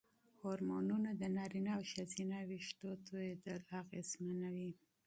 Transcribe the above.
هورمونونه د نارینه او ښځینه وېښتو توېیدل اغېزمنوي.